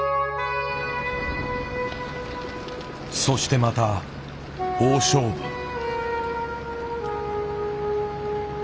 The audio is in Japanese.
そしてまた大勝負。